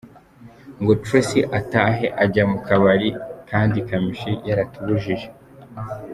ngo Tracy atahe, ajya mu kabari kandi Kamichi yaratubujije.